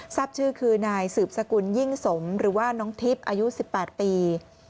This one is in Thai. ทราบชื่อคือนายสืบสกุลยิ่งสมหรือว่าน้องทิพย์อายุ๑๘ปี